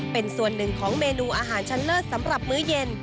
เป็นส่วนหนึ่งของเมนูอาหารชั้นเลิศสำหรับมื้อเย็น